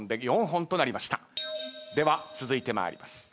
では続いて参ります。